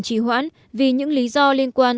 chỉ hoãn vì những lý do liên quan